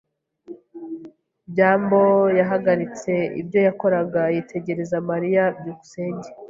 byambo yahagaritse ibyo yakoraga yitegereza Mariya. byukusenge